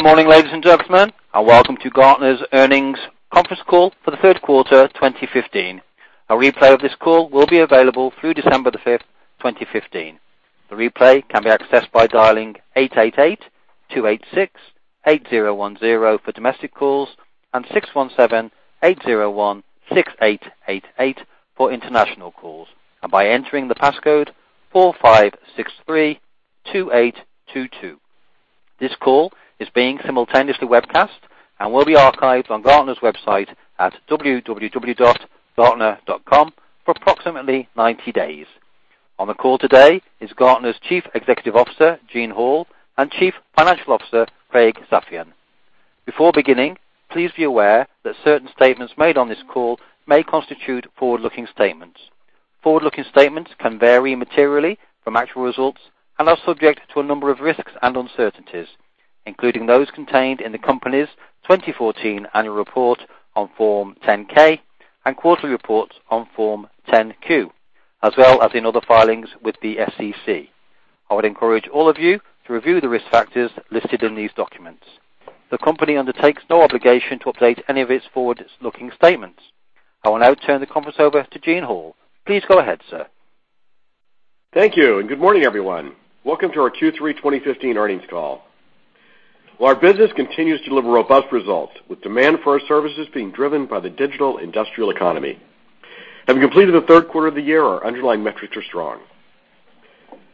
Good morning, ladies and gentlemen, and welcome to Gartner's earnings conference call for the third quarter 2015. A replay of this call will be available through December the 5th, 2015. The replay can be accessed by dialing 888-286-8010 for domestic calls and 617-801-6888 for international calls, and by entering the passcode 4563 2822. This call is being simultaneously webcast and will be archived on Gartner's website at www.gartner.com for approximately 90 days. On the call today is Gartner's Chief Executive Officer, Eugene Hall, and Chief Financial Officer, Craig Safian. Before beginning, please be aware that certain statements made on this call may constitute forward-looking statements. Forward-looking statements can vary materially from actual results and are subject to a number of risks and uncertainties, including those contained in the company's 2014 annual report on Form 10-K and quarterly reports on Form 10-Q, as well as in other filings with the SEC. I would encourage all of you to review the risk factors listed in these documents. The company undertakes no obligation to update any of its forward-looking statements. I will now turn the conference over to Eugene Hall. Please go ahead, sir. Thank you, and good morning, everyone. Welcome to our Q3 2015 earnings call. Our business continues to deliver robust results, with demand for our services being driven by the digital industrial economy. Having completed the third quarter of the year, our underlying metrics are strong.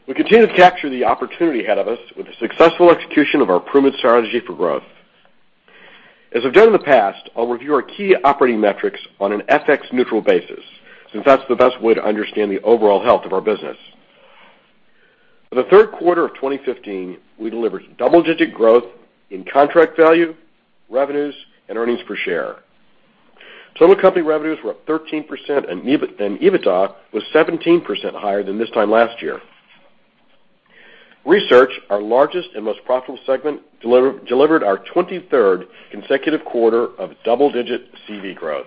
We continue to capture the opportunity ahead of us with the successful execution of our proven strategy for growth. As I've done in the past, I'll review our key operating metrics on an FX-neutral basis, since that's the best way to understand the overall health of our business. For the third quarter of 2015, we delivered double-digit growth in contract value, revenues and earnings per share. Total company revenues were up 13% and EBITDA was 17% higher than this time last year. Research, our largest and most profitable segment, delivered our 23rd consecutive quarter of double-digit CV growth.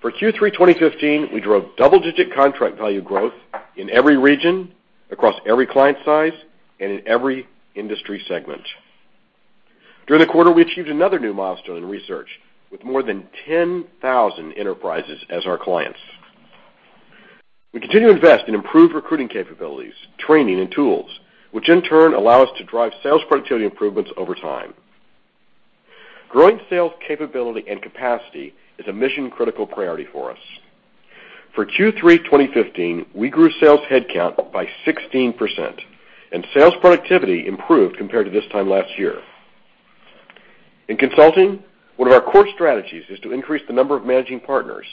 For Q3 2015, we drove double-digit contract value growth in every region, across every client size, and in every industry segment. During the quarter, we achieved another new milestone in Research, with more than 10,000 enterprises as our clients. We continue to invest in improved recruiting capabilities, training, and tools, which in turn allow us to drive sales productivity improvements over time. Growing sales capability and capacity is a mission-critical priority for us. For Q3 2015, we grew sales headcount by 16%. Sales productivity improved compared to this time last year. In Consulting, one of our core strategies is to increase the number of Managing Partners.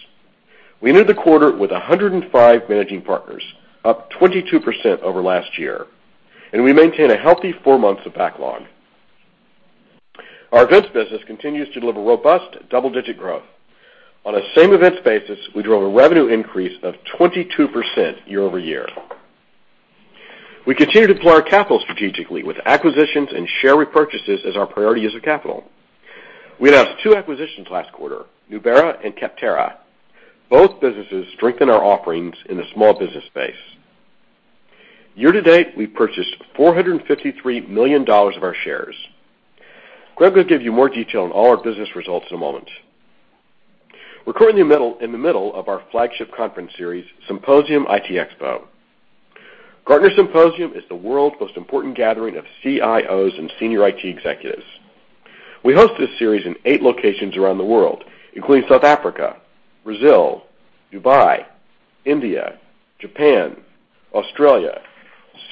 We ended the quarter with 105 Managing Partners, up 22% over last year. We maintain a healthy four months of backlog. Our Events business continues to deliver robust double-digit growth. On a same-events basis, we drove a revenue increase of 22% year-over-year. We continue to deploy our capital strategically with acquisitions and share repurchases as our priority use of capital. We announced two acquisitions last quarter, Nubera and Capterra. Both businesses strengthen our offerings in the small business space. Year to date, we've purchased $453 million of our shares. Craig will give you more detail on all our business results in a moment. We're currently in the middle of our flagship conference series, Symposium/ITxpo. Gartner Symposium is the world's most important gathering of CIOs and senior IT executives. We host this series in eight locations around the world, including South Africa, Brazil, Dubai, India, Japan, Australia,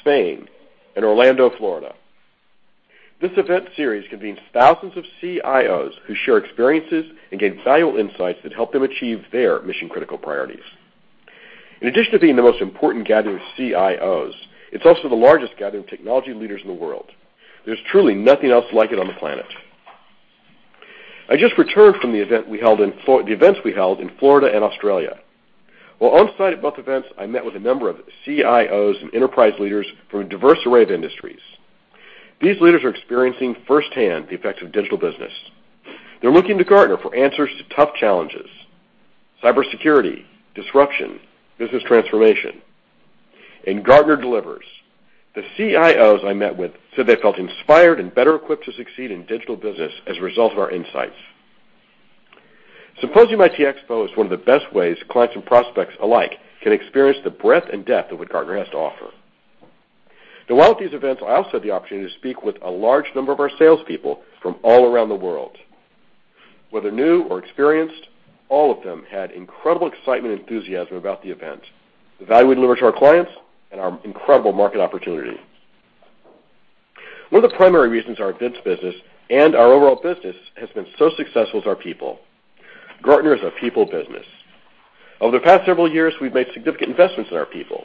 Spain, and Orlando, Florida. This event series convenes thousands of CIOs who share experiences and gain valuable insights that help them achieve their mission-critical priorities. In addition to being the most important gathering of CIOs, it's also the largest gathering of technology leaders in the world. There's truly nothing else like it on the planet. I just returned from the events we held in Florida and Australia. While on site at both events, I met with a number of CIOs and enterprise leaders from a diverse array of industries. These leaders are experiencing firsthand the effects of digital business. They're looking to Gartner for answers to tough challenges, cybersecurity, disruption, business transformation, and Gartner delivers. The CIOs I met with said they felt inspired and better equipped to succeed in digital business as a result of our insights. Symposium/ITxpo is one of the best ways clients and prospects alike can experience the breadth and depth of what Gartner has to offer. While at these events, I also had the opportunity to speak with a large number of our salespeople from all around the world. Whether new or experienced, all of them had incredible excitement and enthusiasm about the event, the value we deliver to our clients, and our incredible market opportunity. One of the primary reasons our events business and our overall business has been so successful is our people. Gartner is a people business. Over the past several years, we've made significant investments in our people.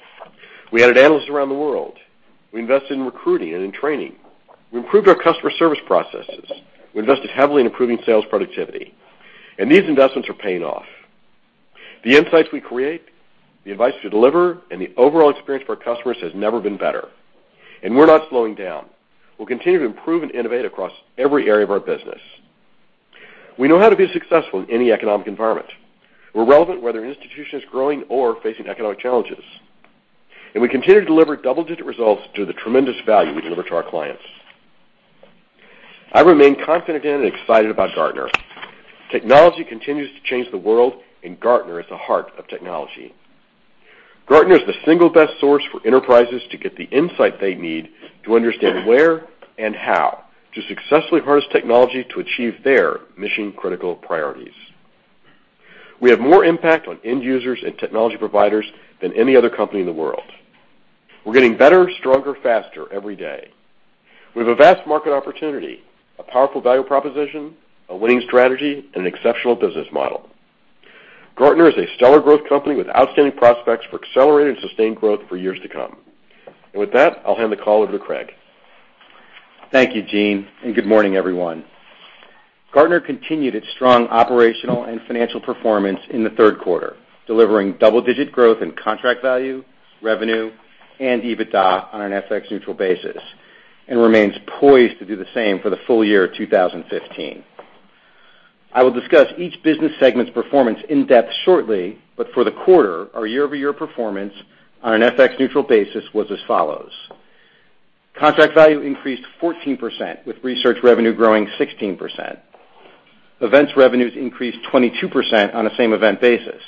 We added analysts around the world. We invested in recruiting and in training. We improved our customer service processes. We invested heavily in improving sales productivity. These investments are paying off. The insights we create, the advice we deliver, and the overall experience for our customers has never been better. We're not slowing down. We'll continue to improve and innovate across every area of our business. We know how to be successful in any economic environment. We're relevant whether an institution is growing or facing economic challenges. We continue to deliver double-digit results through the tremendous value we deliver to our clients. I remain confident in and excited about Gartner. Technology continues to change the world, and Gartner is the heart of technology. Gartner is the single best source for enterprises to get the insight they need to understand where and how to successfully harness technology to achieve their mission-critical priorities. We have more impact on end users and technology providers than any other company in the world. We're getting better, stronger, faster every day. We have a vast market opportunity, a powerful value proposition, a winning strategy, and an exceptional business model. Gartner is a stellar growth company with outstanding prospects for accelerated and sustained growth for years to come. With that, I'll hand the call over to Craig. Thank you, Gene, good morning, everyone. Gartner continued its strong operational and financial performance in the third quarter, delivering double-digit growth in contract value, revenue, and EBITDA on an FX-neutral basis, and remains poised to do the same for the full year 2015. I will discuss each business segment's performance in depth shortly, but for the quarter, our year-over-year performance on an FX-neutral basis was as follows. Contract value increased 14%, with research revenue growing 16%. Events revenues increased 22% on a same-event basis.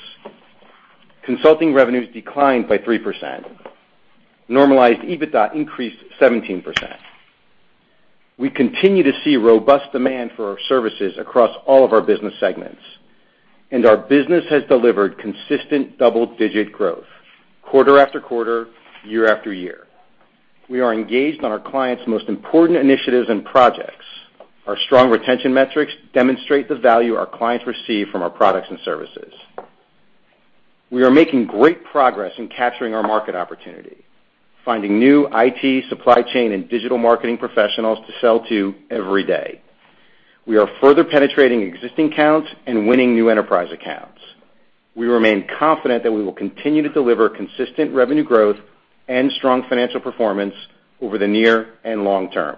Consulting revenues declined by 3%. Normalized EBITDA increased 17%. We continue to see robust demand for our services across all of our business segments, and our business has delivered consistent double-digit growth quarter after quarter, year after year. We are engaged on our clients' most important initiatives and projects. Our strong retention metrics demonstrate the value our clients receive from our products and services. We are making great progress in capturing our market opportunity, finding new IT, supply chain, and digital marketing professionals to sell to every day. We are further penetrating existing accounts and winning new enterprise accounts. We remain confident that we will continue to deliver consistent revenue growth and strong financial performance over the near and long term.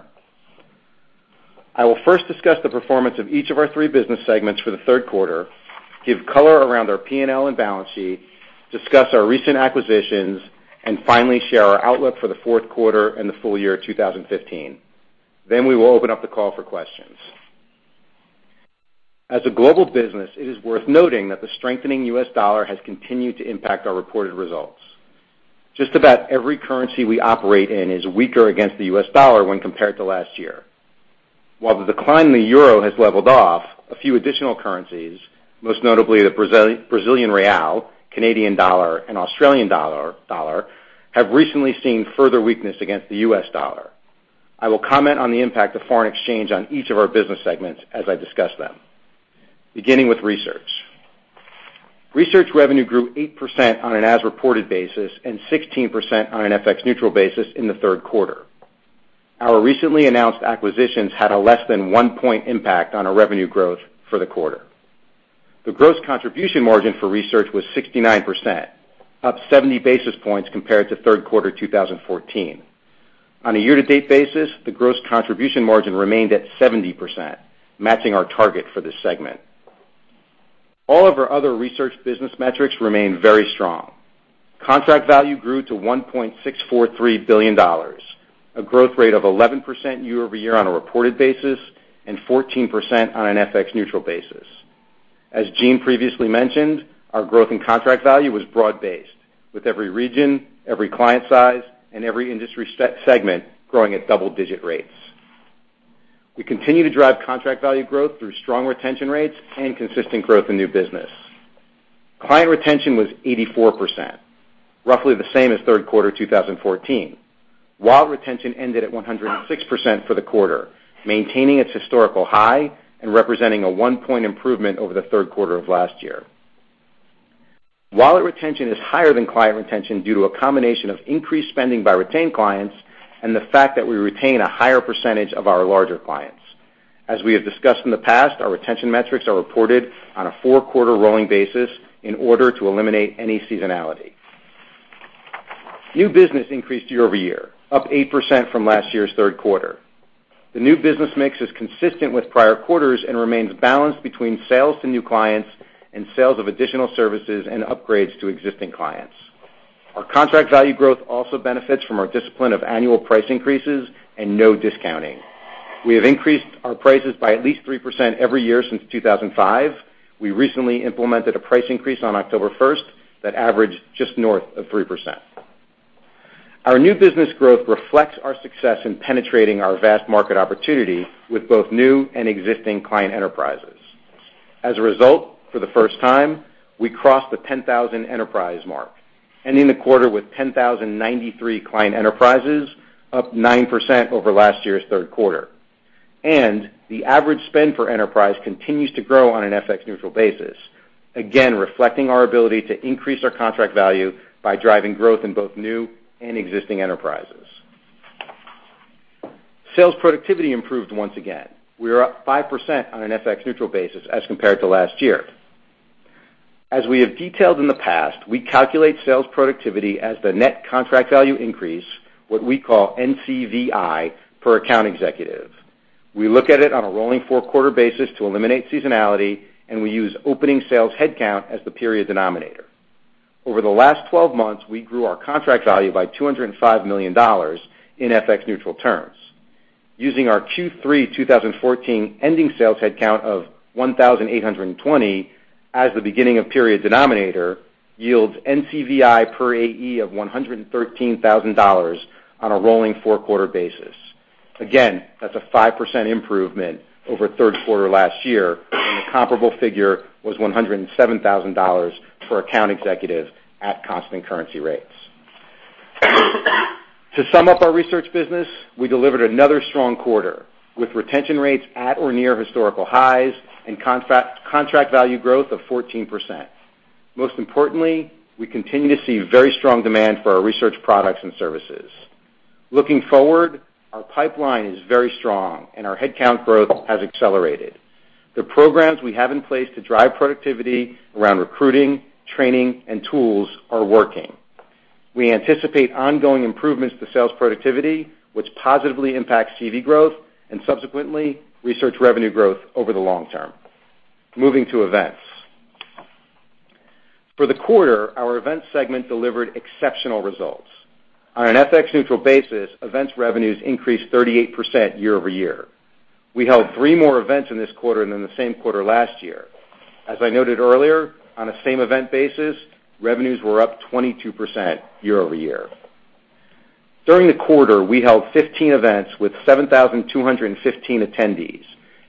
I will first discuss the performance of each of our three business segments for the third quarter, give color around our P&L and balance sheet, discuss our recent acquisitions, and finally share our outlook for the fourth quarter and the full year 2015. We will open up the call for questions. As a global business, it is worth noting that the strengthening U.S. dollar has continued to impact our reported results. Just about every currency we operate in is weaker against the U.S. dollar when compared to last year. While the decline in the euro has leveled off, a few additional currencies, most notably the Brazilian real, Canadian dollar, and Australian dollar, have recently seen further weakness against the U.S. dollar. I will comment on the impact of foreign exchange on each of our business segments as I discuss them. Beginning with research. Research revenue grew 8% on an as-reported basis and 16% on an FX-neutral basis in the third quarter. Our recently announced acquisitions had a less than one point impact on our revenue growth for the quarter. The gross contribution margin for research was 69%, up 70 basis points compared to third quarter 2014. On a year-to-date basis, the gross contribution margin remained at 70%, matching our target for this segment. All of our other research business metrics remain very strong. Contract value grew to $1.643 billion, a growth rate of 11% year-over-year on a reported basis and 14% on an FX neutral basis. As Gene previously mentioned, our growth in contract value was broad-based, with every region, every client size, and every industry segment growing at double-digit rates. We continue to drive contract value growth through strong retention rates and consistent growth in new business. Client retention was 84%, roughly the same as third quarter 2014. Wallet retention ended at 106% for the quarter, maintaining its historical high and representing a one-point improvement over the third quarter of last year. Wallet retention is higher than client retention due to a combination of increased spending by retained clients and the fact that we retain a higher percentage of our larger clients. As we have discussed in the past, our retention metrics are reported on a four-quarter rolling basis in order to eliminate any seasonality. New business increased year-over-year, up 8% from last year's third quarter. The new business mix is consistent with prior quarters and remains balanced between sales to new clients and sales of additional services and upgrades to existing clients. Our contract value growth also benefits from our discipline of annual price increases and no discounting. We have increased our prices by at least 3% every year since 2005. We recently implemented a price increase on October 1st that averaged just north of 3%. Our new business growth reflects our success in penetrating our vast market opportunity with both new and existing client enterprises. As a result, for the first time, we crossed the 10,000 enterprise mark, ending the quarter with 10,093 client enterprises, up 9% over last year's third quarter. The average spend per enterprise continues to grow on an FX neutral basis, again, reflecting our ability to increase our contract value by driving growth in both new and existing enterprises. Sales productivity improved once again. We are up 5% on an FX neutral basis as compared to last year. As we have detailed in the past, we calculate sales productivity as the net contract value increase, what we call NCVI, per account executive. We look at it on a rolling four-quarter basis to eliminate seasonality, and we use opening sales headcount as the period denominator. Over the last 12 months, we grew our contract value by $205 million in FX neutral terms. Using our Q3 2014 ending sales headcount of 1,820 as the beginning of period denominator yields NCVI per AE of $113,000 on a rolling four-quarter basis. Again, that's a 5% improvement over third quarter last year, when the comparable figure was $107,000 per account executive at constant currency rates. To sum up our research business, we delivered another strong quarter, with retention rates at or near historical highs and contract value growth of 14%. Most importantly, we continue to see very strong demand for our research products and services. Looking forward, our pipeline is very strong and our headcount growth has accelerated. The programs we have in place to drive productivity around recruiting, training, and tools are working. We anticipate ongoing improvements to sales productivity, which positively impacts CV growth, and subsequently, research revenue growth over the long term. Moving to events. For the quarter, our events segment delivered exceptional results. On an FX neutral basis, events revenues increased 38% year-over-year. We held three more events in this quarter than the same quarter last year. As I noted earlier, on a same event basis, revenues were up 22% year-over-year. During the quarter, we held 15 events with 7,215 attendees,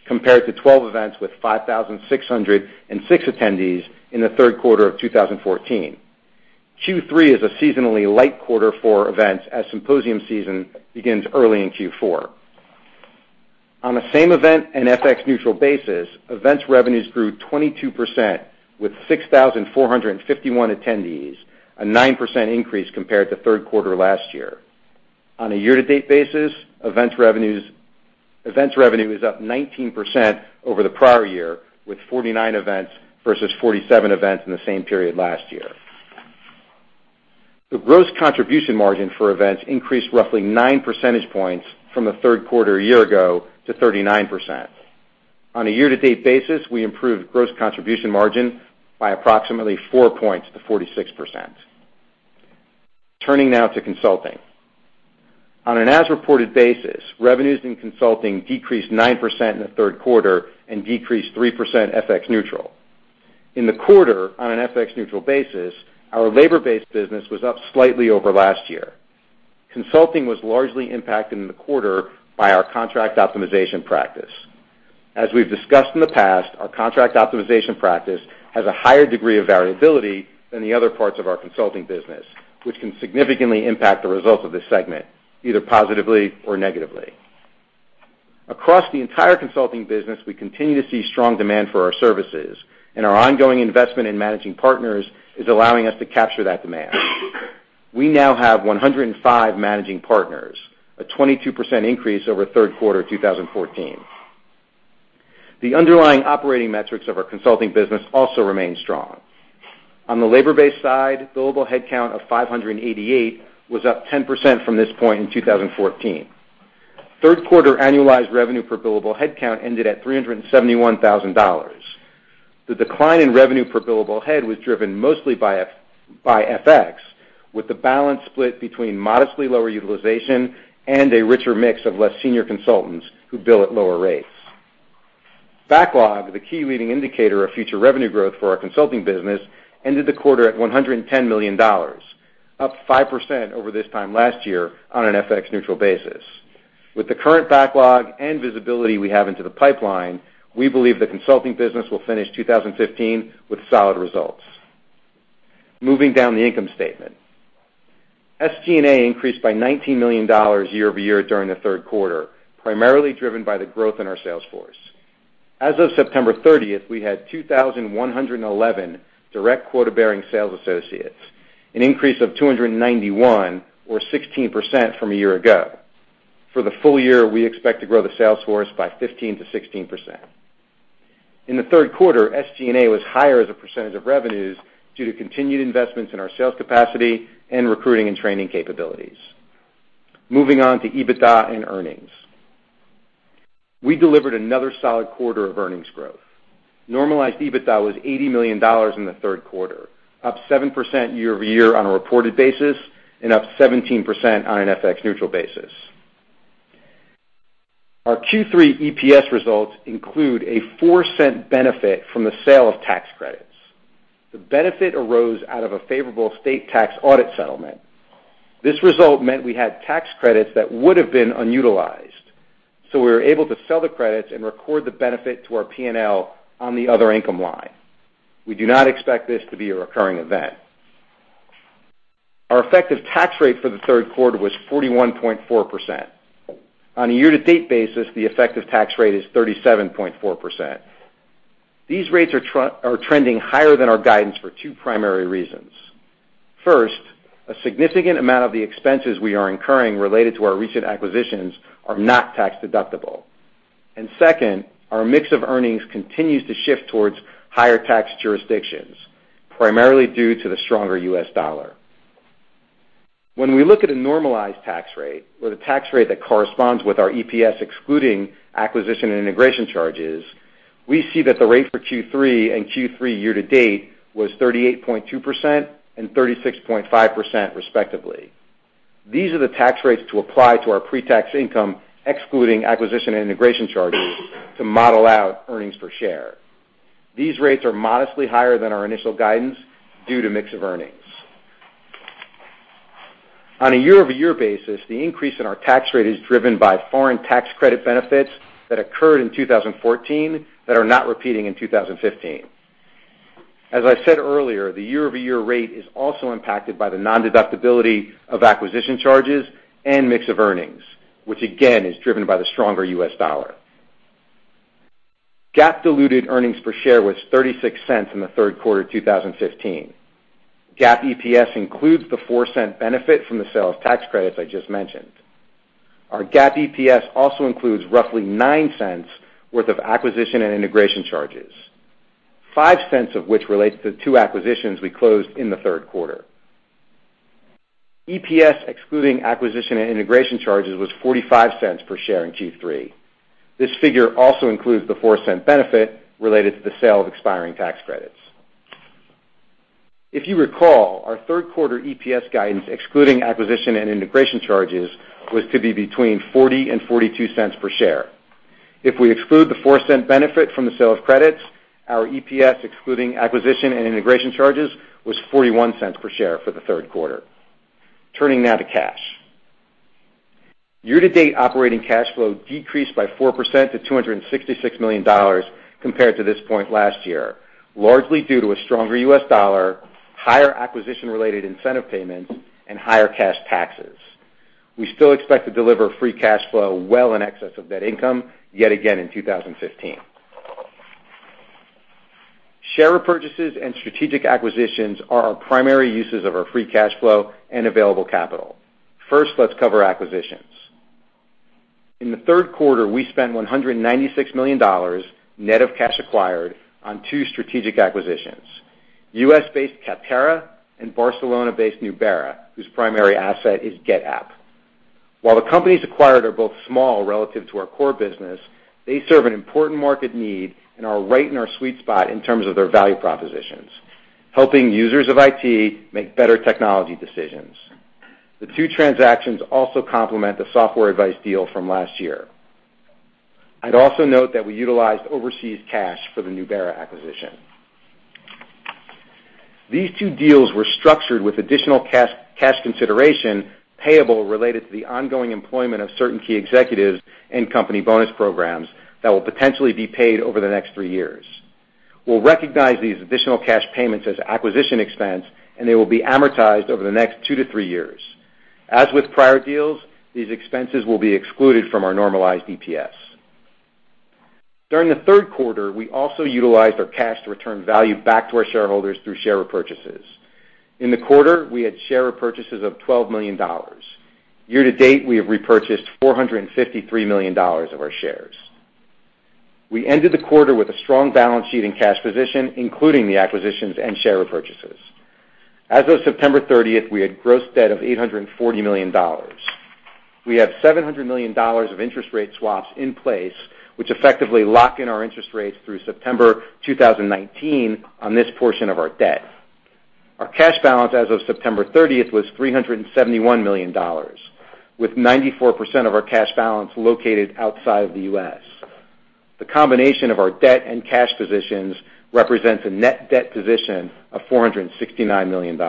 compared to 12 events with 5,606 attendees in the third quarter of 2014. Q3 is a seasonally light quarter for events, as symposium season begins early in Q4. On a same event and FX neutral basis, events revenues grew 22% with 6,451 attendees, a 9% increase compared to third quarter last year. On a year-to-date basis, events revenue is up 19% over the prior year, with 49 events versus 47 events in the same period last year. The gross contribution margin for events increased roughly nine percentage points from the third quarter a year ago to 39%. On a year-to-date basis, we improved gross contribution margin by approximately four points to 46%. Turning now to consulting. On an as-reported basis, revenues in consulting decreased 9% in the third quarter and decreased 3% FX neutral. In the quarter, on an FX neutral basis, our labor-based business was up slightly over last year. Consulting was largely impacted in the quarter by our Contract Optimization practice. As we've discussed in the past, our Contract Optimization practice has a higher degree of variability than the other parts of our consulting business, which can significantly impact the results of this segment, either positively or negatively. Across the entire consulting business, we continue to see strong demand for our services, and our ongoing investment in Managing Partners is allowing us to capture that demand. We now have 105 Managing Partners, a 22% increase over third quarter 2014. The underlying operating metrics of our consulting business also remain strong. On the labor-based side, billable headcount of 588 was up 10% from this point in 2014. Third quarter annualized revenue per billable headcount ended at $371,000. The decline in revenue per billable head was driven mostly by FX, with the balance split between modestly lower utilization and a richer mix of less senior consultants who bill at lower rates. Backlog, the key leading indicator of future revenue growth for our consulting business, ended the quarter at $110 million, up 5% over this time last year on an FX neutral basis. With the current backlog and visibility we have into the pipeline, we believe the consulting business will finish 2015 with solid results. Moving down the income statement. SG&A increased by $19 million year-over-year during the third quarter, primarily driven by the growth in our sales force. As of September 30th, we had 2,111 direct quota-bearing sales associates, an increase of 291 or 16% from a year ago. For the full year, we expect to grow the sales force by 15%-16%. In the third quarter, SG&A was higher as a percentage of revenues due to continued investments in our sales capacity and recruiting and training capabilities. Moving on to EBITDA and earnings. We delivered another solid quarter of earnings growth. Normalized EBITDA was $80 million in the third quarter, up 7% year-over-year on a reported basis and up 17% on an FX neutral basis. Our Q3 EPS results include a $0.04 benefit from the sale of tax credits. The benefit arose out of a favorable state tax audit settlement. This result meant we had tax credits that would have been unutilized, so we were able to sell the credits and record the benefit to our P&L on the other income line. We do not expect this to be a recurring event. Our effective tax rate for the third quarter was 41.4%. On a year-to-date basis, the effective tax rate is 37.4%. These rates are trending higher than our guidance for two primary reasons. First, a significant amount of the expenses we are incurring related to our recent acquisitions are not tax-deductible. Second, our mix of earnings continues to shift towards higher tax jurisdictions, primarily due to the stronger U.S. dollar. When we look at a normalized tax rate or the tax rate that corresponds with our EPS, excluding acquisition and integration charges, we see that the rate for Q3 and Q3 year-to-date was 38.2% and 36.5% respectively. These are the tax rates to apply to our pre-tax income, excluding acquisition and integration charges to model out earnings per share. These rates are modestly higher than our initial guidance due to mix of earnings. On a year-over-year basis, the increase in our tax rate is driven by foreign tax credit benefits that occurred in 2014 that are not repeating in 2015. As I said earlier, the year-over-year rate is also impacted by the non-deductibility of acquisition charges and mix of earnings, which again is driven by the stronger U.S. dollar. GAAP diluted earnings per share was $0.36 in the third quarter 2015. GAAP EPS includes the $0.04 benefit from the sale of tax credits I just mentioned. Our GAAP EPS also includes roughly $0.09 worth of acquisition and integration charges. $0.05 of which relates to two acquisitions we closed in the third quarter. EPS, excluding acquisition and integration charges, was $0.45 per share in Q3. This figure also includes the $0.04 benefit related to the sale of expiring tax credits. If you recall, our third quarter EPS guidance, excluding acquisition and integration charges, was to be between $0.40 and $0.42 per share. If we exclude the $0.04 benefit from the sale of credits, our EPS, excluding acquisition and integration charges, was $0.41 per share for the third quarter. Turning now to cash. Year-to-date operating cash flow decreased by 4% to $266 million compared to this point last year, largely due to a stronger U.S. dollar, higher acquisition-related incentive payments, and higher cash taxes. We still expect to deliver free cash flow well in excess of net income yet again in 2015. Share repurchases and strategic acquisitions are our primary uses of our free cash flow and available capital. First, let's cover acquisitions. In the third quarter, we spent $196 million, net of cash acquired, on two strategic acquisitions, U.S.-based Capterra and Barcelona-based Nubera, whose primary asset is GetApp. While the companies acquired are both small relative to our core business, they serve an important market need and are right in our sweet spot in terms of their value propositions, helping users of IT make better technology decisions. The two transactions also complement the Software Advice deal from last year. I'd also note that we utilized overseas cash for the Nubera acquisition. These two deals were structured with additional cash consideration payable related to the ongoing employment of certain key executives and company bonus programs that will potentially be paid over the next 3 years. We'll recognize these additional cash payments as acquisition expense, and they will be amortized over the next 2 to 3 years. As with prior deals, these expenses will be excluded from our normalized EPS. During the third quarter, we also utilized our cash to return value back to our shareholders through share repurchases. In the quarter, we had share repurchases of $12 million. Year-to-date, we have repurchased $453 million of our shares. We ended the quarter with a strong balance sheet and cash position, including the acquisitions and share repurchases. As of September 30th, we had gross debt of $840 million. We have $700 million of interest rate swaps in place, which effectively lock in our interest rates through September 2019 on this portion of our debt. Our cash balance as of September 30th was $371 million, with 94% of our cash balance located outside of the U.S. The combination of our debt and cash positions represents a net debt position of $469 million.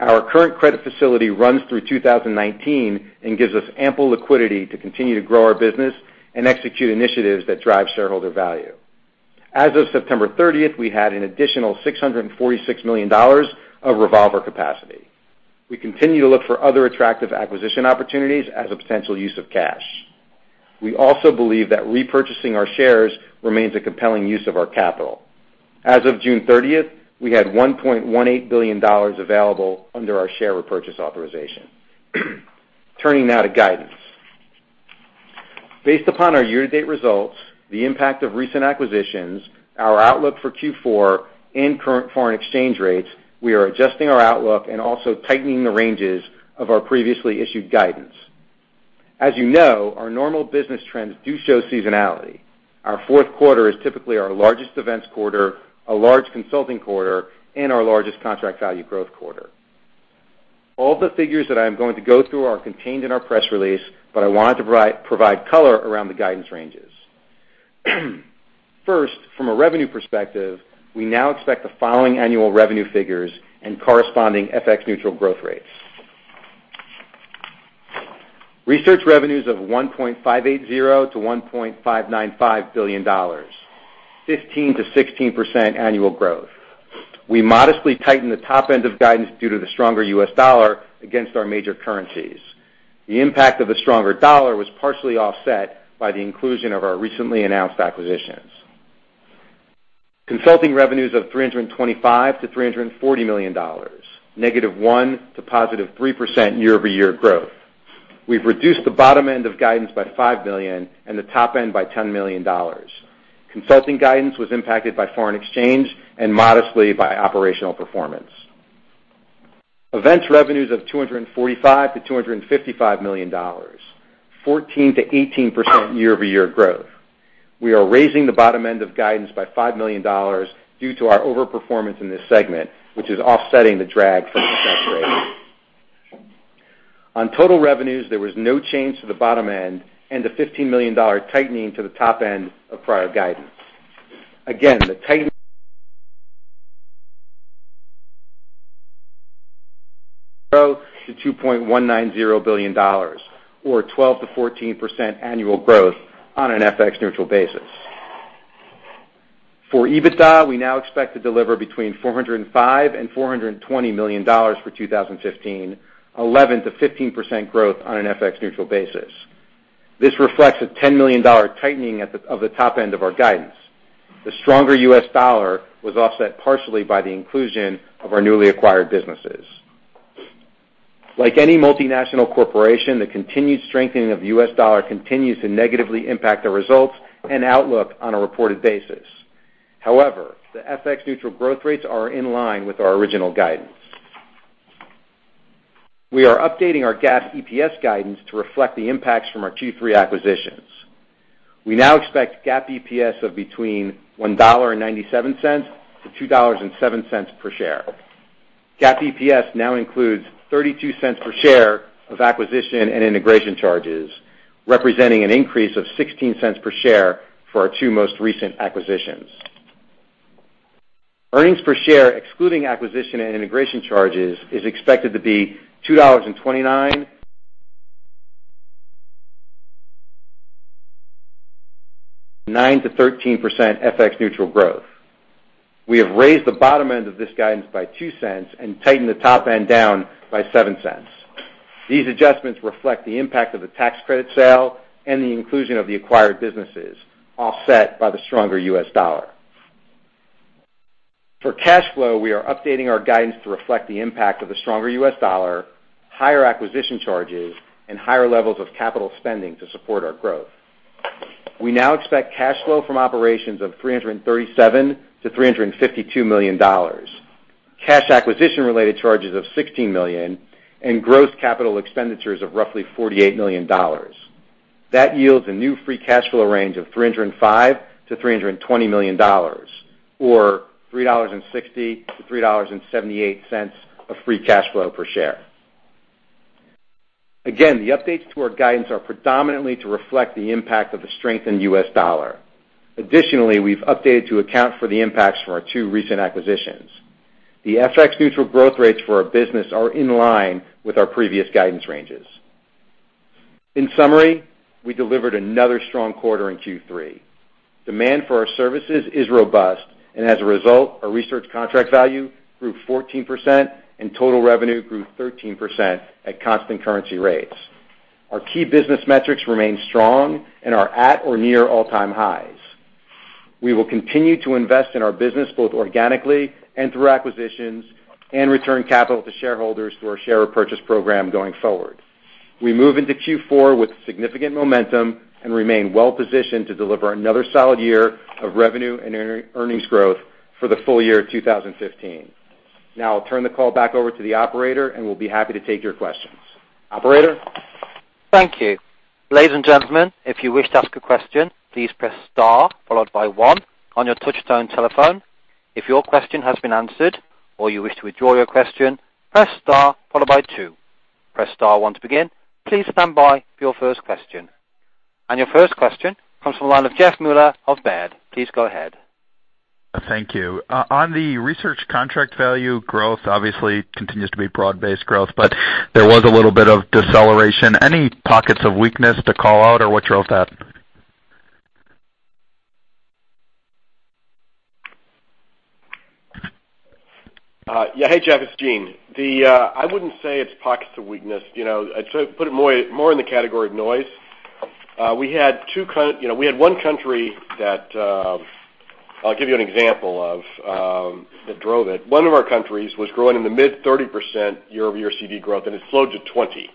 Our current credit facility runs through 2019 and gives us ample liquidity to continue to grow our business and execute initiatives that drive shareholder value. As of September 30th, we had an additional $646 million of revolver capacity. We continue to look for other attractive acquisition opportunities as a potential use of cash. We also believe that repurchasing our shares remains a compelling use of our capital. As of June 30th, we had $1.18 billion available under our share repurchase authorization. Turning now to guidance. Based upon our year-to-date results, the impact of recent acquisitions, our outlook for Q4, and current foreign exchange rates, we are adjusting our outlook and also tightening the ranges of our previously issued guidance. As you know, our normal business trends do show seasonality. Our fourth quarter is typically our largest events quarter, a large consulting quarter, and our largest contract value growth quarter. All the figures that I am going to go through are contained in our press release, but I wanted to provide color around the guidance ranges. First, from a revenue perspective, we now expect the following annual revenue figures and corresponding FX neutral growth rates. Research revenues of $1.580 billion-$1.595 billion, 15%-16% annual growth. We modestly tighten the top end of guidance due to the stronger U.S. dollar against our major currencies. The impact of the stronger dollar was partially offset by the inclusion of our recently announced acquisitions. Consulting revenues of $325 million-$340 million, negative 1% to positive 3% year-over-year growth. We've reduced the bottom end of guidance by $5 million and the top end by $10 million. Consulting guidance was impacted by foreign exchange and modestly by operational performance. Events revenues of $245 million-$255 million, 14%-18% year-over-year growth. We are raising the bottom end of guidance by $5 million due to our over-performance in this segment, which is offsetting the drag from the FX Rate. On total revenues, there was no change to the bottom end and a $15 million tightening to the top end of prior guidance. Again, the tightening growth to $2.190 billion, or 12%-14% annual growth on an FX neutral basis. For EBITDA, we now expect to deliver between $405 million and $420 million for 2015, 11%-15% growth on an FX neutral basis. This reflects a $10 million tightening of the top end of our guidance. The stronger US dollar was offset partially by the inclusion of our newly acquired businesses. Like any multinational corporation, the continued strengthening of the US dollar continues to negatively impact the results and outlook on a reported basis. However, the FX neutral growth rates are in line with our original guidance. We are updating our GAAP EPS guidance to reflect the impacts from our Q3 acquisitions. We now expect GAAP EPS of between $1.97 to $2.07 per share. GAAP EPS now includes $0.32 per share of acquisition and integration charges, representing an increase of $0.16 per share for our two most recent acquisitions. Earnings per share, excluding acquisition and integration charges, is expected to be $2.29, 9%-13% FX neutral growth. We have raised the bottom end of this guidance by $0.02 and tightened the top end down by $0.07. These adjustments reflect the impact of the tax credit sale and the inclusion of the acquired businesses, offset by the stronger US dollar. For cash flow, we are updating our guidance to reflect the impact of the stronger US dollar, higher acquisition charges, and higher levels of capital spending to support our growth. We now expect cash flow from operations of $337 million to $352 million, cash acquisition-related charges of $16 million, and gross capital expenditures of roughly $48 million. That yields a new free cash flow range of $305 million to $320 million, or $3.60 to $3.78 of free cash flow per share. Again, the updates to our guidance are predominantly to reflect the impact of the strengthened US dollar. Additionally, we've updated to account for the impacts from our two recent acquisitions. The FX neutral growth rates for our business are in line with our previous guidance ranges. In summary, we delivered another strong quarter in Q3. Demand for our services is robust, and as a result, our research contract value grew 14%, and total revenue grew 13% at constant currency rates. Our key business metrics remain strong and are at or near all-time highs. We will continue to invest in our business, both organically and through acquisitions, and return capital to shareholders through our share repurchase program going forward. We move into Q4 with significant momentum and remain well-positioned to deliver another solid year of revenue and earnings growth for the full year 2015. Now I'll turn the call back over to the operator. We'll be happy to take your questions. Operator? Thank you. Ladies and gentlemen, if you wish to ask a question, please press star followed by one on your touch-tone telephone. If your question has been answered or you wish to withdraw your question, press star followed by two. Press star, one to begin. Please stand by for your first question. Your first question comes from the line of Jeffrey Meuler of Baird. Please go ahead. Thank you. On the research contract value growth obviously continues to be broad-based growth, there was a little bit of deceleration. Any pockets of weakness to call out or what's your thoughts on that? Yeah. Hey, Jeff, it's Gene. I wouldn't say it's pockets of weakness. I'd put it more in the category of noise. I'll give you an example of that drove it. One of our countries was growing in the mid 30% year-over-year CV growth, and it slowed to 20.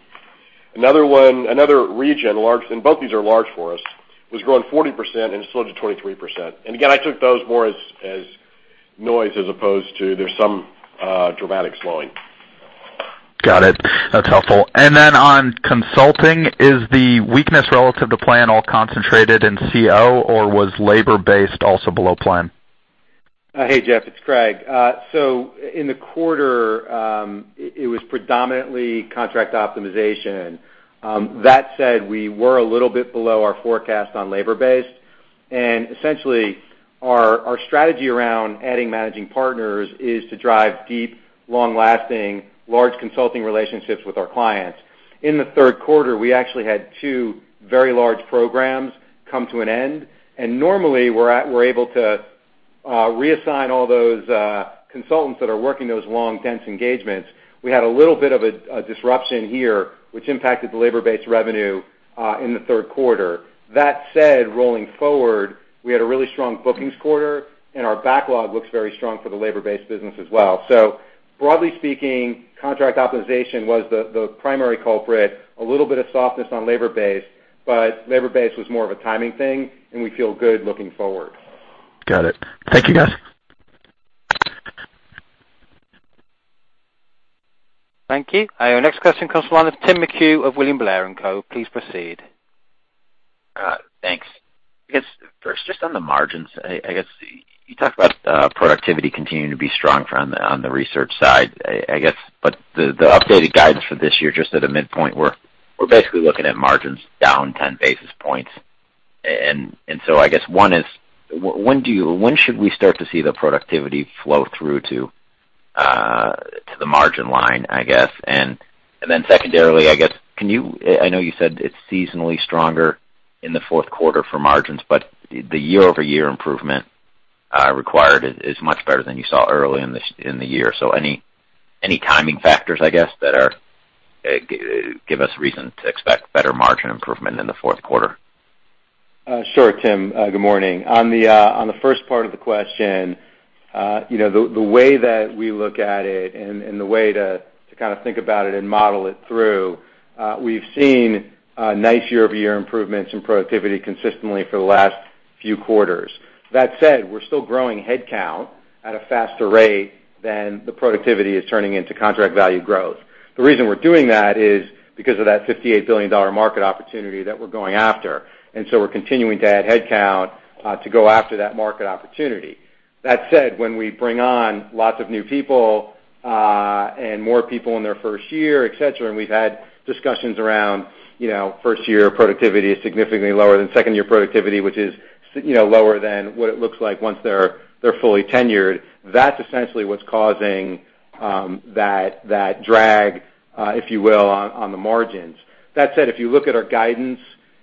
Another region, and both these are large for us, was growing 40%, and it slowed to 23%. Again, I took those more as noise as opposed to there's some dramatic slowing. Got it. That's helpful. On consulting, is the weakness relative to plan all concentrated in CO, or was labor-based also below plan? Hey, Jeff, it's Craig. In the quarter, it was predominantly Contract Optimization. That said, we were a little bit below our forecast on labor-based. Essentially, our strategy around adding Managing Partners is to drive deep, long-lasting, large consulting relationships with our clients. In the third quarter, we actually had 2 very large programs come to an end, and normally we're able to reassign all those consultants that are working those long, dense engagements. We had a little bit of a disruption here, which impacted the labor-based revenue in the third quarter. That said, rolling forward, we had a really strong bookings quarter and our backlog looks very strong for the labor-based business as well. Broadly speaking, Contract Optimization was the primary culprit. A little bit of softness on labor-based, but labor-based was more of a timing thing, and we feel good looking forward. Got it. Thank you, guys. Thank you. Our next question comes from the line of Timothy McHugh of William Blair & Co. Please proceed. Thanks. First, just on the margins, you talked about productivity continuing to be strong on the research side. The updated guidance for this year, just at a midpoint where we're basically looking at margins down 10 basis points. One is, when should we start to see the productivity flow through to the margin line? Secondarily, I know you said it's seasonally stronger in the fourth quarter for margins, but the year-over-year improvement required is much better than you saw early in the year. Any timing factors that give us reason to expect better margin improvement in the fourth quarter? Sure, Tim. Good morning. On the first part of the question, the way that we look at it and the way to think about it and model it through, we've seen a nice year-over-year improvements in productivity consistently for the last few quarters. That said, we're still growing headcount at a faster rate than the productivity is turning into contract value growth. The reason we're doing that is because of that $58 billion market opportunity that we're going after, we're continuing to add headcount to go after that market opportunity. That said, when we bring on lots of new people and more people in their first year, et cetera, and we've had discussions around first-year productivity is significantly lower than second-year productivity, which is lower than what it looks like once they're fully tenured. That's essentially what's causing that drag, if you will, on the margins. That said, if you look at our guidance,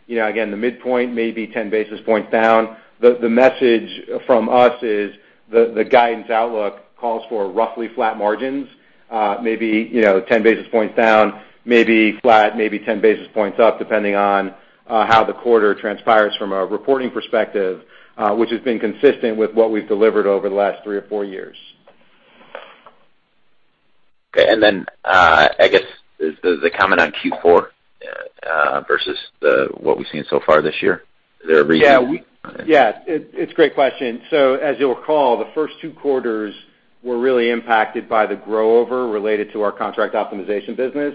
again, the midpoint may be 10 basis points down. The message from us is the guidance outlook calls for roughly flat margins, maybe 10 basis points down, maybe flat, maybe 10 basis points up, depending on how the quarter transpires from a reporting perspective, which has been consistent with what we've delivered over the last three or four years. Okay, I guess, the comment on Q4 versus what we've seen so far this year. Is there a reason? Yeah. It's a great question. As you'll recall, the first two quarters were really impacted by the grow-over related to our Contract Optimization business,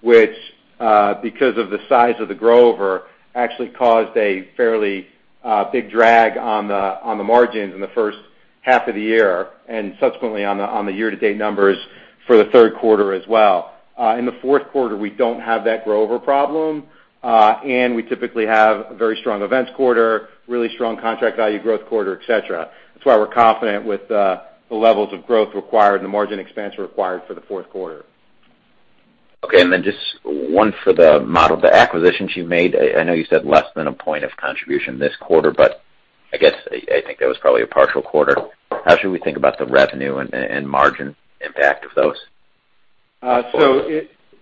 which because of the size of the grow-over, actually caused a fairly big drag on the margins in the first half of the year, and subsequently on the year-to-date numbers for the third quarter as well. In the fourth quarter, we don't have that grow-over problem, and we typically have a very strong events quarter, really strong contract value growth quarter, et cetera. That's why we're confident with the levels of growth required and the margin expansion required for the fourth quarter. Just one for the model. The acquisitions you made, I know you said less than a point of contribution this quarter, but I guess I think that was probably a partial quarter. How should we think about the revenue and margin impact of those?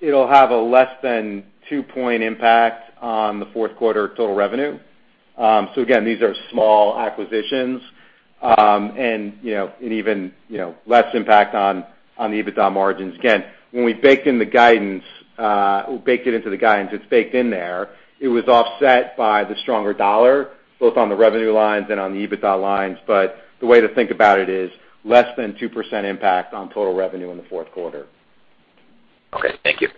It'll have a less than two-point impact on the fourth quarter total revenue. Again, these are small acquisitions. Even less impact on the EBITDA margins. Again, when we baked it into the guidance, it's baked in there. It was offset by the stronger dollar, both on the revenue lines and on the EBITDA lines. The way to think about it is less than 2% impact on total revenue in the fourth quarter. Thank you.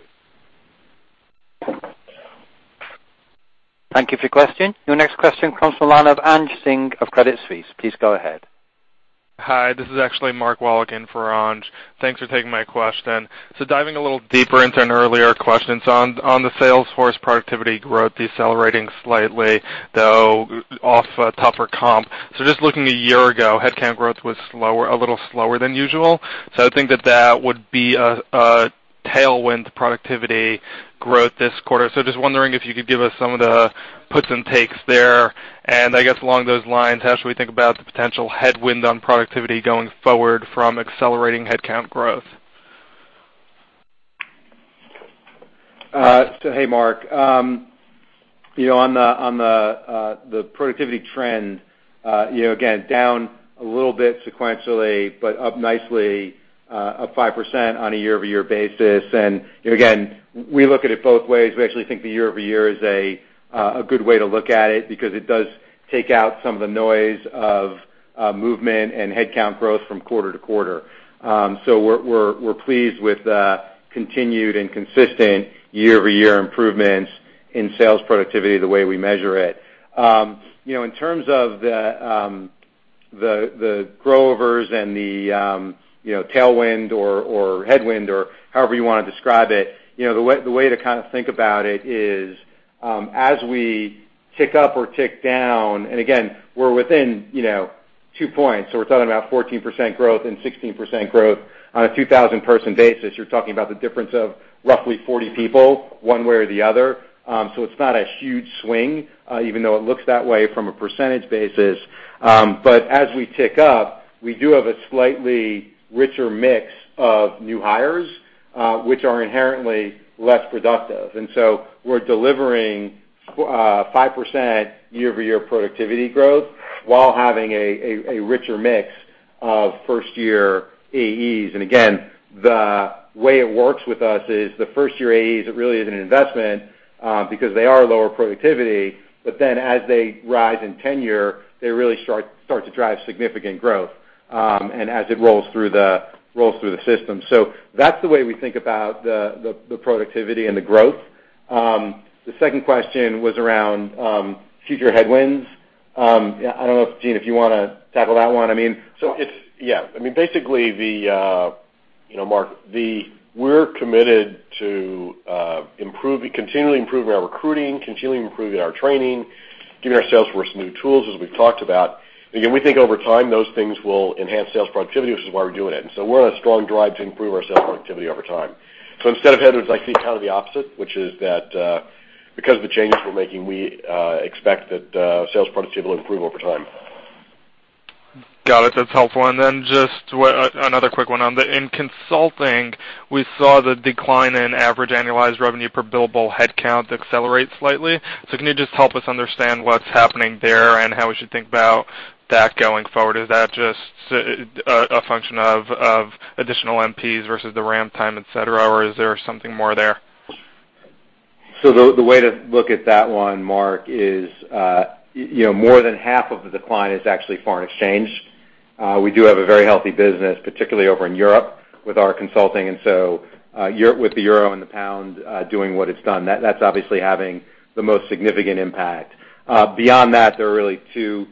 Thank you for your question. Your next question comes from the line of Anjaneya Singh of Credit Suisse. Please go ahead. Hi, this is actually Mark Marron in for Anj. Thanks for taking my question. Diving a little deeper into an earlier question. On the sales force productivity growth decelerating slightly, though off a tougher comp. Just looking a year ago, headcount growth was a little slower than usual. I would think that that would be a tailwind to productivity growth this quarter. Just wondering if you could give us some of the puts and takes there. I guess along those lines, how should we think about the potential headwind on productivity going forward from accelerating headcount growth? Hey, Mark. On the productivity trend, again, down a little bit sequentially, but up nicely, up 5% on a year-over-year basis. Again, we look at it both ways. We actually think the year-over-year is a good way to look at it because it does take out some of the noise of movement and headcount growth from quarter to quarter. We're pleased with the continued and consistent year-over-year improvements in sales productivity the way we measure it. In terms of the grow-overs and the tailwind or headwind or however you want to describe it, the way to think about it is as we tick up or tick down, and again, we're within two points. We're talking about 14% growth and 16% growth on a 2,000 person basis. You're talking about the difference of roughly 40 people one way or the other. It's not a huge swing, even though it looks that way from a percentage basis. As we tick up, we do have a slightly richer mix of new hires, which are inherently less productive. We're delivering 5% year-over-year productivity growth while having a richer mix of first-year AEs. Again, the way it works with us is the first-year AEs, it really is an investment, because they are lower productivity. As they rise in tenure, they really start to drive significant growth, and as it rolls through the system. That's the way we think about the productivity and the growth. The second question was around future headwinds. I don't know if, Gene, if you want to tackle that one. Yeah. Basically, Mark, we're committed to continually improving our recruiting, continually improving our training, giving our sales force new tools, as we've talked about. Again, we think over time those things will enhance sales productivity, which is why we're doing it. We're on a strong drive to improve our sales productivity over time. Instead of headwinds, I see kind of the opposite, which is that because of the changes we're making, we expect that sales productivity will improve over time. Got it. That's helpful. Just another quick one. In consulting, we saw the decline in average annualized revenue per billable headcount accelerate slightly. Can you just help us understand what's happening there and how we should think about that going forward? Is that just a function of additional MPs versus the ramp time, et cetera, or is there something more there? The way to look at that one, Mark, is more than half of the decline is actually foreign exchange. We do have a very healthy business, particularly over in Europe with our consulting. With the euro and the pound doing what it's done, that's obviously having the most significant impact. Beyond that, there are really two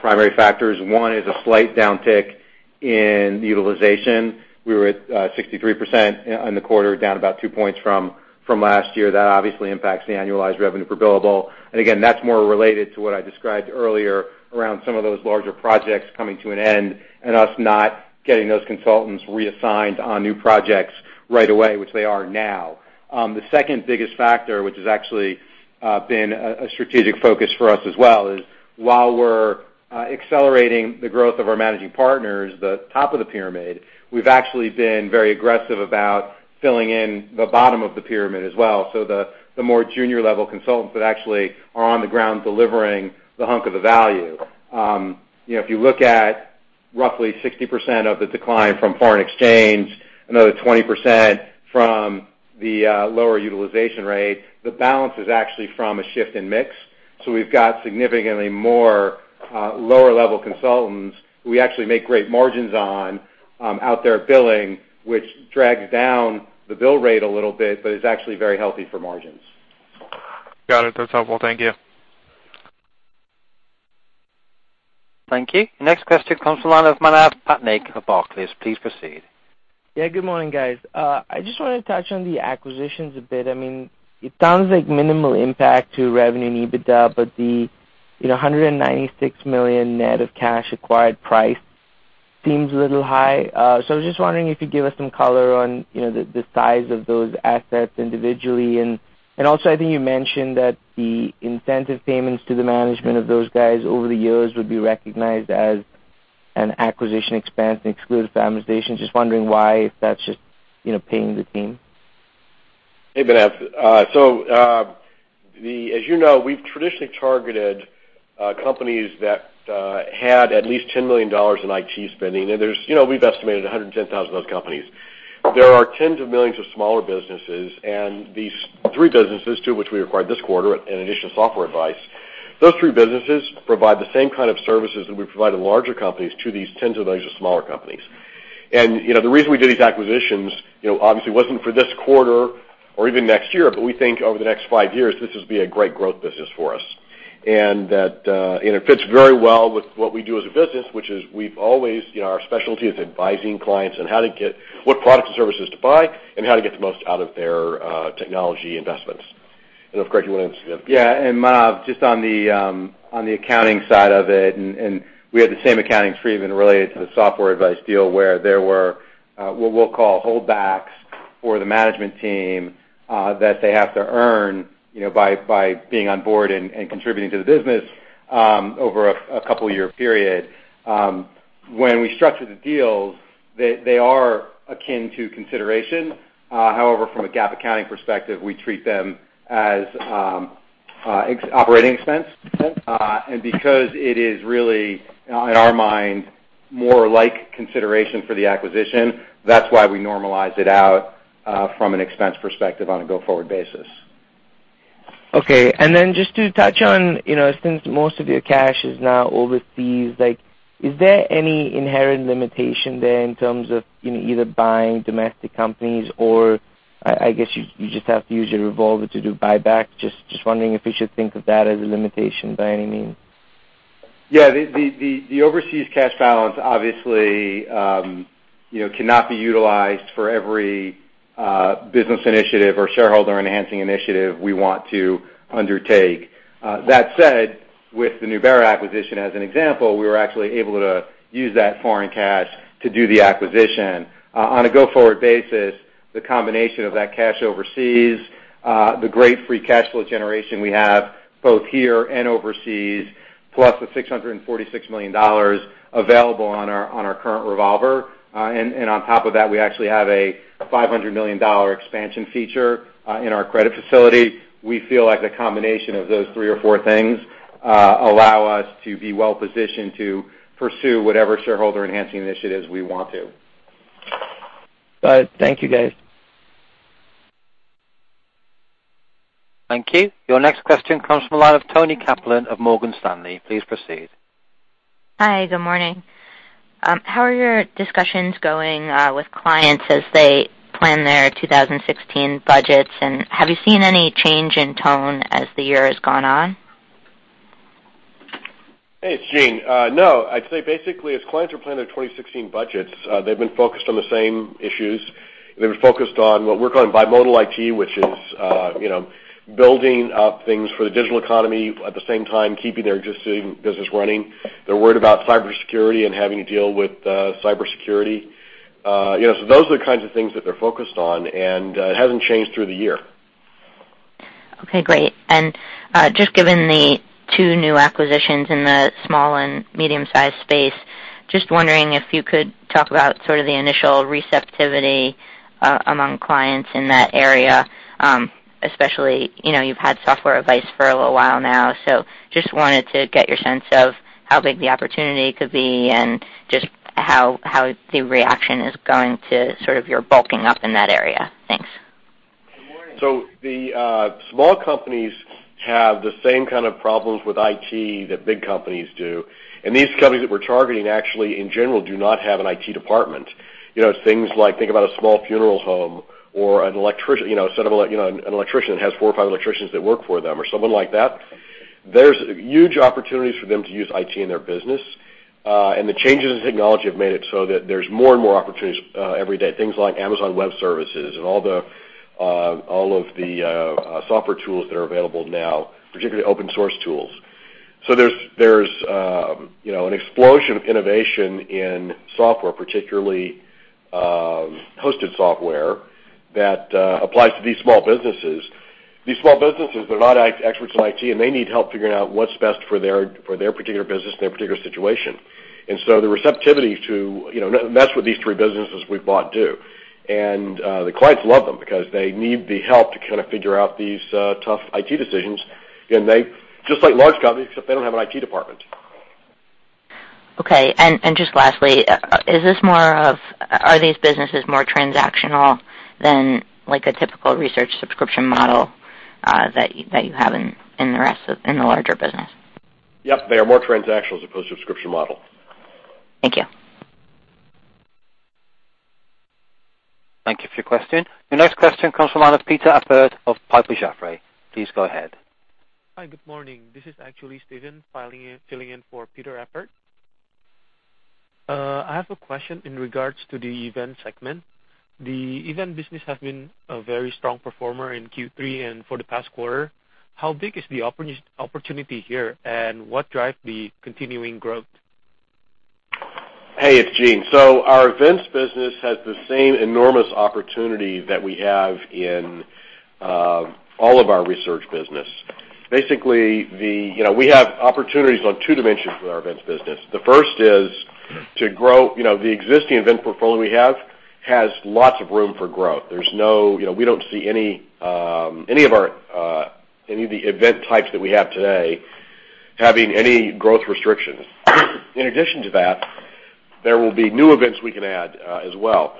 primary factors. One is a slight downtick in utilization. We were at 63% in the quarter, down about two points from last year. That obviously impacts the annualized revenue per billable. Again, that's more related to what I described earlier around some of those larger projects coming to an end and us not getting those consultants reassigned on new projects right away, which they are now. The second biggest factor, which has actually been a strategic focus for us as well, is while we're accelerating the growth of our managing partners, the top of the pyramid, we've actually been very aggressive about filling in the bottom of the pyramid as well. The more junior level consultants that actually are on the ground delivering the hunk of the value. If you look at roughly 60% of the decline from foreign exchange, another 20% from the lower utilization rate, the balance is actually from a shift in mix. We've got significantly more lower level consultants who we actually make great margins on out there billing, which drags down the bill rate a little bit, but is actually very healthy for margins. Got it. That's helpful. Thank you. Thank you. Next question comes from the line of Manav Patnaik of Barclays. Please proceed. Yeah, good morning, guys. I just want to touch on the acquisitions a bit. It sounds like minimal impact to revenue and EBITDA, but the $196 million net of cash acquired price seems a little high. I was just wondering if you could give us some color on the size of those assets individually. Also, I think you mentioned that the incentive payments to the management of those guys over the years would be recognized as an acquisition expense and excluded from amortization. Just wondering why, if that's just paying the team. Hey, Manav. As you know, we've traditionally targeted companies that had at least $10 million in IT spending, and we've estimated 110,000 of those companies. There are tens of millions of smaller businesses, and these three businesses, two of which we acquired this quarter in addition to Software Advice, those three businesses provide the same kind of services that we provide to larger companies to these tens of millions of smaller companies. The reason we did these acquisitions obviously wasn't for this quarter or even next year, but we think over the next five years, this will be a great growth business for us. It fits very well with what we do as a business, which is our specialty is advising clients on what products and services to buy and how to get the most out of their technology investments. Of course, you want to- Yeah. Manav, just on the accounting side of it, we had the same accounting treatment related to the Software Advice deal where there were what we'll call holdbacks for the management team that they have to earn by being on board and contributing to the business over a couple year period. When we structure the deals, they are akin to consideration. However, from a GAAP accounting perspective, we treat them as operating expense. Because it is really, in our mind, more like consideration for the acquisition, that's why we normalize it out from an expense perspective on a go forward basis. Just to touch on, since most of your cash is now overseas, is there any inherent limitation there in terms of either buying domestic companies or I guess you just have to use your revolver to do buyback? Just wondering if we should think of that as a limitation by any means. Yeah. The overseas cash balance obviously Cannot be utilized for every business initiative or shareholder-enhancing initiative we want to undertake. That said, with the Nubera acquisition as an example, we were actually able to use that foreign cash to do the acquisition. On a go-forward basis, the combination of that cash overseas, the great free cash flow generation we have both here and overseas, plus the $646 million available on our current revolver, and on top of that, we actually have a $500 million expansion feature in our credit facility. We feel like the combination of those three or four things allow us to be well-positioned to pursue whatever shareholder-enhancing initiatives we want to. All right. Thank you, guys. Thank you. Your next question comes from the line of Toni Kaplan of Morgan Stanley. Please proceed. Hi. Good morning. How are your discussions going with clients as they plan their 2016 budgets, and have you seen any change in tone as the year has gone on? Hey, it's Gene. No, I'd say basically as clients are planning their 2016 budgets, they've been focused on the same issues. They've been focused on what we're calling bimodal IT, which is building up things for the digital economy, at the same time, keeping their existing business running. They're worried about cybersecurity and having to deal with cybersecurity. Those are the kinds of things that they're focused on, and it hasn't changed through the year. Okay. Great. Just given the two new acquisitions in the small and medium-sized space, just wondering if you could talk about sort of the initial receptivity among clients in that area, especially, you've had Software Advice for a little while now. Just wanted to get your sense of how big the opportunity could be and just how the reaction is going to sort of your bulking up in that area. Thanks. The small companies have the same kind of problems with IT that big companies do. These companies that we're targeting actually, in general, do not have an IT department. Things like, think about a small funeral home or an electrician that has four or five electricians that work for them or someone like that. There's huge opportunities for them to use IT in their business. The changes in technology have made it so that there's more and more opportunities every day, things like Amazon Web Services and all of the software tools that are available now, particularly open-source tools. There's an explosion of innovation in software, particularly hosted software, that applies to these small businesses. These small businesses, they're not experts in IT, and they need help figuring out what's best for their particular business and their particular situation. That's what these three businesses we've bought do. The clients love them because they need the help to kind of figure out these tough IT decisions. They're just like large companies, except they don't have an IT department. Okay. Just lastly, are these businesses more transactional than a typical research subscription model that you have in the larger business? Yes, they are more transactional as opposed to a subscription model. Thank you. Thank you for your question. Your next question comes from the line of Peter Appert of Piper Jaffray. Please go ahead. Hi, good morning. This is actually Steven filling in for Peter Appert. I have a question in regards to the events segment. The event business has been a very strong performer in Q3 and for the past quarter. How big is the opportunity here, and what drives the continuing growth? Hey, it's Gene. Our events business has the same enormous opportunity that we have in all of our research business. Basically, we have opportunities on two dimensions with our events business. The first is to grow. The existing event portfolio we have has lots of room for growth. We don't see any of the event types that we have today having any growth restrictions. In addition to that, there will be new events we can add as well.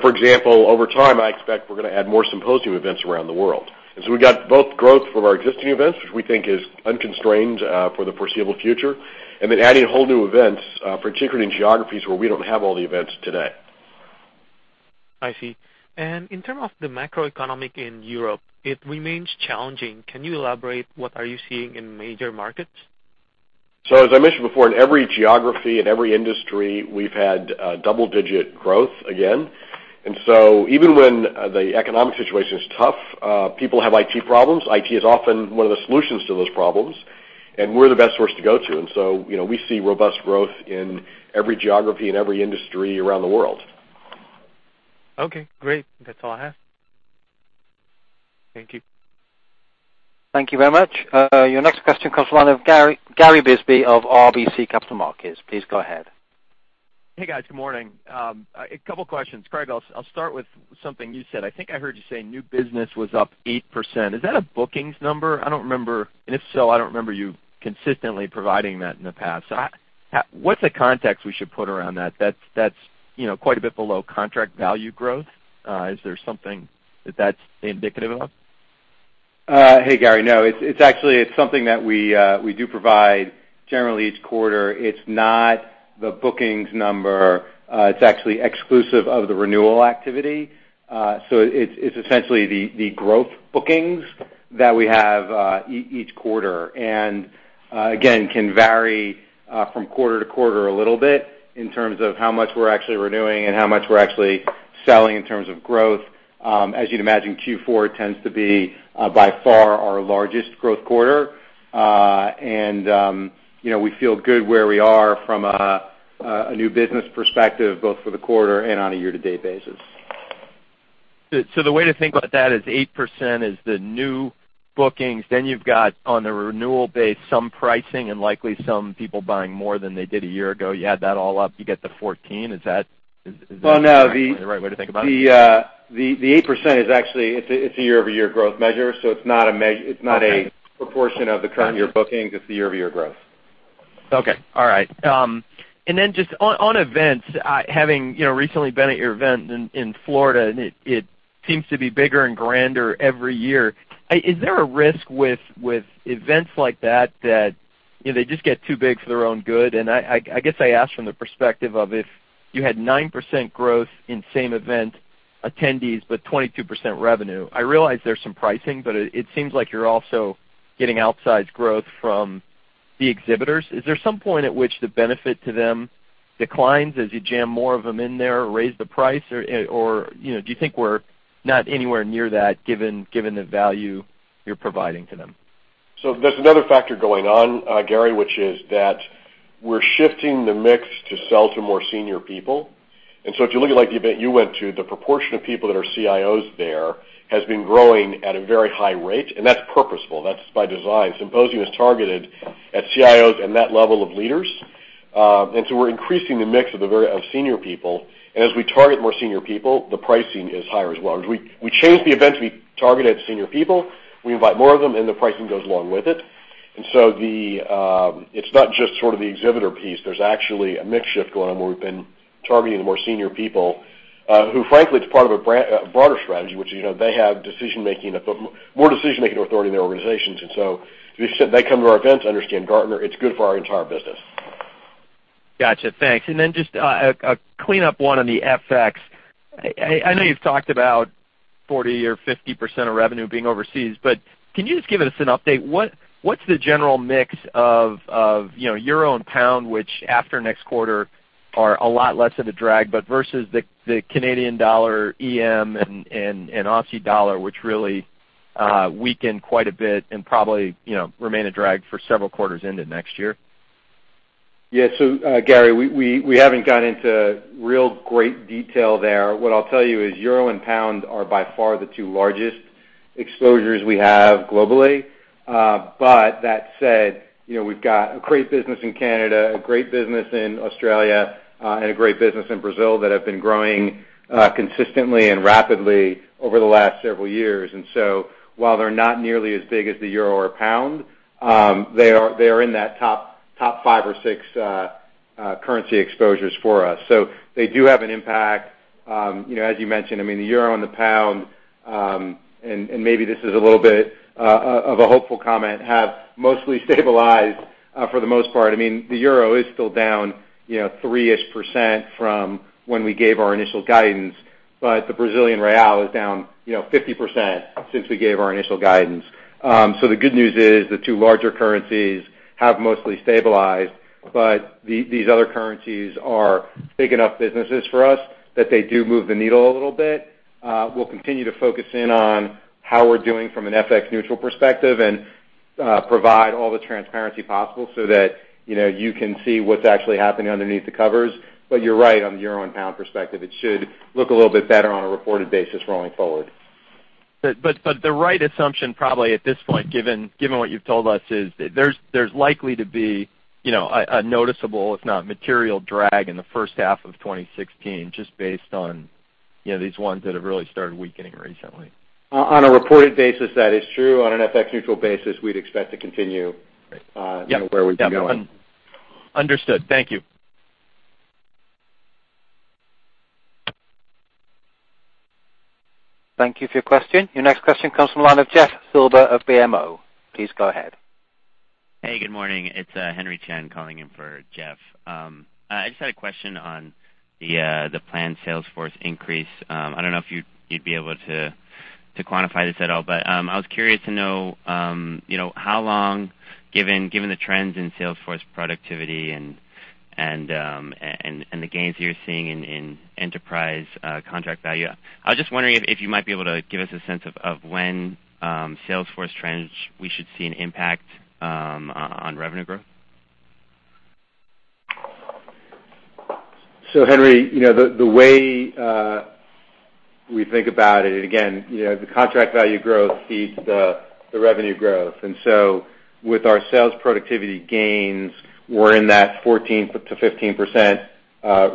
For example, over time, I expect we're going to add more Symposium events around the world. We've got both growth from our existing events, which we think is unconstrained for the foreseeable future, and then adding whole new events, particularly in geographies where we don't have all the events today. I see. In terms of the macroeconomic in Europe, it remains challenging. Can you elaborate what are you seeing in major markets? As I mentioned before, in every geography, in every industry, we've had double-digit growth again. Even when the economic situation is tough, people have IT problems. IT is often one of the solutions to those problems, and we're the best source to go to. We see robust growth in every geography and every industry around the world. Okay, great. That's all I have. Thank you. Thank you very much. Your next question comes from the line of Gary Bisbee of RBC Capital Markets. Please go ahead. Hey, guys. Good morning. A couple of questions. Craig, I'll start with something you said. I think I heard you say new business was up 8%. Is that a bookings number? If so, I don't remember you consistently providing that in the past. What's the context we should put around that? That's quite a bit below contract value growth. Is there something that that's indicative of? Hey, Gary. No, it's actually something that we do provide generally each quarter. It's not the bookings number. It's actually exclusive of the renewal activity. It's essentially the growth bookings that we have each quarter. Again, can vary from quarter to quarter a little bit in terms of how much we're actually renewing and how much we're actually selling in terms of growth. As you'd imagine, Q4 tends to be by far our largest growth quarter. We feel good where we are from a new business perspective, both for the quarter and on a year-to-date basis. The way to think about that is 8% is the new bookings. You've got, on the renewal base, some pricing and likely some people buying more than they did a year ago. You add that all up, you get the 14. Is that right? Well, no the right way to think about it? The 8% is actually a year-over-year growth measure, so it's not a. Okay It's not a proportion of the current year bookings. It's the year-over-year growth. Okay. All right. Then just on events, having recently been at your event in Florida, and it seems to be bigger and grander every year. Is there a risk with events like that they just get too big for their own good? I guess I ask from the perspective of, if you had 9% growth in same event attendees, but 22% revenue. I realize there's some pricing, but it seems like you're also getting outsized growth from the exhibitors. Is there some point at which the benefit to them declines as you jam more of them in there or raise the price? Do you think we're not anywhere near that, given the value you're providing to them? There's another factor going on, Gary, which is that we're shifting the mix to sell to more senior people. If you look at the event you went to, the proportion of people that are CIOs there has been growing at a very high rate, and that's purposeful. That's by design. Symposium is targeted at CIOs and that level of leaders. We're increasing the mix of senior people. As we target more senior people, the pricing is higher as well. As we change the events, we target at senior people, we invite more of them, and the pricing goes along with it. It's not just sort of the exhibitor piece. There's actually a mix shift going on where we've been targeting the more senior people, who frankly, it's part of a broader strategy, which they have more decision-making authority in their organizations. They come to our events, understand Gartner, it's good for our entire business. Got you. Thanks. Just a clean up one on the FX. I know you've talked about 40% or 50% of revenue being overseas, but can you just give us an update? What's the general mix of euro and pound, which after next quarter, are a lot less of a drag, but versus the Canadian dollar, EM and Aussie dollar, which really weakened quite a bit and probably remain a drag for several quarters into next year? Yeah. Gary, we haven't gone into real great detail there. What I'll tell you is euro and pound are by far the two largest exposures we have globally. That said, we've got a great business in Canada, a great business in Australia, and a great business in Brazil that have been growing consistently and rapidly over the last several years. While they're not nearly as big as the euro or pound, they are in that top five or six currency exposures for us. They do have an impact. As you mentioned, the euro and the pound, and maybe this is a little bit of a hopeful comment, have mostly stabilized for the most part. The euro is still down 3%-ish from when we gave our initial guidance, but the Brazilian real is down 50% since we gave our initial guidance. The good news is the two larger currencies have mostly stabilized. These other currencies are big enough businesses for us that they do move the needle a little bit. We'll continue to focus in on how we're doing from an FX neutral perspective and provide all the transparency possible so that you can see what's actually happening underneath the covers. You're right on the euro and pound perspective. It should look a little bit better on a reported basis rolling forward. The right assumption probably at this point, given what you've told us, is there's likely to be a noticeable, if not material drag in the first half of 2016, just based on these ones that have really started weakening recently. On a reported basis, that is true. On an FX neutral basis, we'd expect to continue. Great. Yep. where we've been going. Understood. Thank you. Thank you for your question. Your next question comes from the line of Jeff Silber of BMO. Please go ahead. Hey, good morning. It's Henry Chen calling in for Jeff. I just had a question on the planned sales force increase. I don't know if you'd be able to quantify this at all, but I was curious to know how long, given the trends in sales force productivity and the gains you're seeing in enterprise contract value. I was just wondering if you might be able to give us a sense of when sales force trends, we should see an impact on revenue growth. Henry, the way we think about it, again, the contract value growth feeds the revenue growth. With our sales productivity gains, we're in that 14%-15%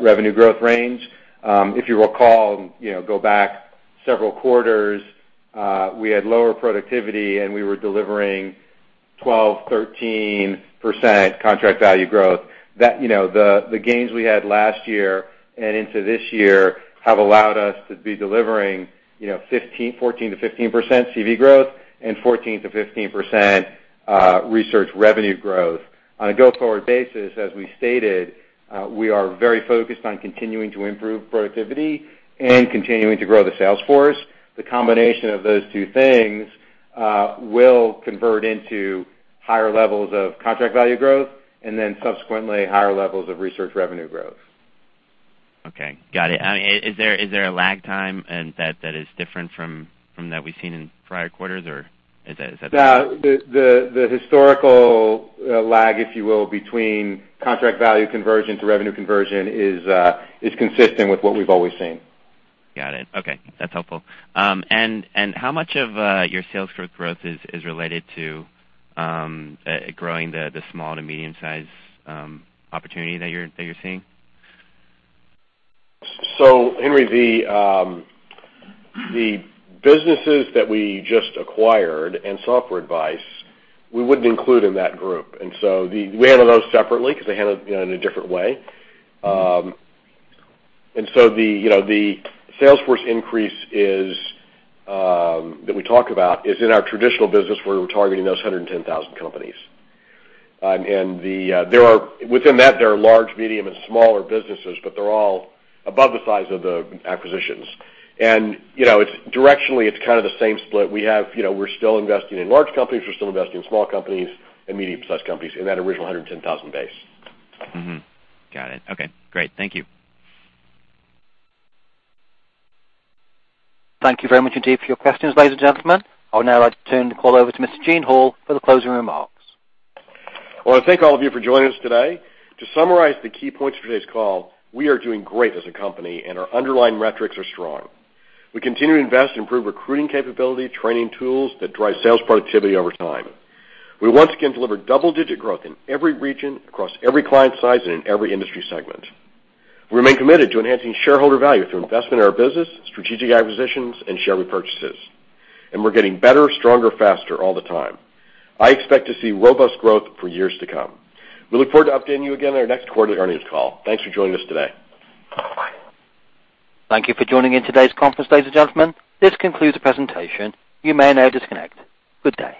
revenue growth range. If you recall, go back several quarters, we had lower productivity, and we were delivering 12%-13% contract value growth. The gains we had last year and into this year have allowed us to be delivering 14%-15% CV growth and 14%-15% Research revenue growth. On a go-forward basis, as we stated, we are very focused on continuing to improve productivity and continuing to grow the sales force. The combination of those two things will convert into higher levels of contract value growth, and then subsequently, higher levels of research revenue growth. Okay. Got it. Is there a lag time that is different from that we've seen in prior quarters or is that- No, the historical lag, if you will, between contract value conversion to revenue conversion is consistent with what we've always seen. Got it. Okay. That's helpful. How much of your sales growth is related to growing the small to medium-size opportunity that you're seeing? Henry, the businesses that we just acquired and Software Advice, we wouldn't include in that group. We handle those separately because they handle it in a different way. The sales force increase that we talk about is in our traditional business where we're targeting those 110,000 companies. Within that, there are large, medium, and smaller businesses, but they're all above the size of the acquisitions. Directionally, it's kind of the same split. We're still investing in large companies, we're still investing in small companies and medium-plus companies in that original 110,000 base. Got it. Okay, great. Thank you. Thank you very much indeed for your questions, ladies and gentlemen. I would now like to turn the call over to Mr. Eugene Hall for the closing remarks. I want to thank all of you for joining us today. To summarize the key points for today's call, we are doing great as a company, and our underlying metrics are strong. We continue to invest in improved recruiting capability, training tools that drive sales productivity over time. We once again delivered double-digit growth in every region, across every client size and in every industry segment. We remain committed to enhancing shareholder value through investment in our business, strategic acquisitions, and share repurchases. We're getting better, stronger, faster all the time. I expect to see robust growth for years to come. We look forward to updating you again at our next quarterly earnings call. Thanks for joining us today. Thank you for joining in today's conference, ladies and gentlemen. This concludes the presentation. You may now disconnect. Good day.